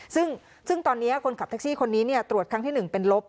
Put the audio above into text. ซึ่งตอนนี้คนขับแท็กซี่คนนี้ตรวจครั้งที่๑เป็นลบ